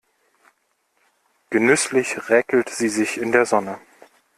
Genüsslich räkelt sie sich in der Sonne.